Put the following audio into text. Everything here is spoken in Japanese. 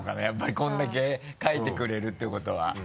やっぱりこれだけ書いてくれるってことは。